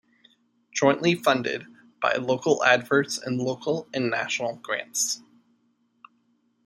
Jointly funded by local adverts and local and national grants.